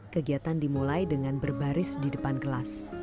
kegiatan dimulai dengan berbaris di depan kelas